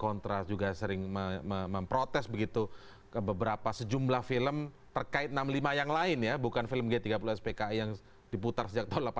oh ini kaitannya nih